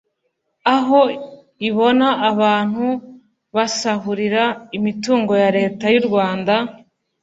aho ibona abantu basahurira imitungo ya Leta y’u Rwanda